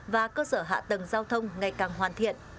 và cơ sở hạ tầng giao thông ngày càng hoàn thiện